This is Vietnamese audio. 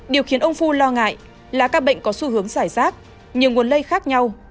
điều khiến ông phu lo ngại là các bệnh có xu hướng giải rác nhiều nguồn lây khác nhau